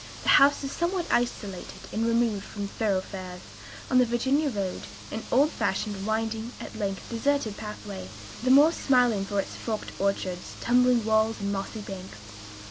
The house is somewhat isolate and remote from thoroughfares; on the Virginia road, an old fashioned, winding, at length deserted pathway, the more smiling for its forked orchards, tumbling walls, and mossy banks.